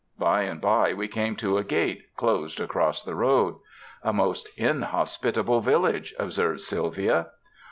By and by we came to a gate closed across the road. "A most inhospitable village," observed Sylvia.